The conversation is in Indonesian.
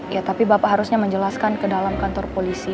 ya tapi bapak harusnya menjelaskan ke dalam kantor polisi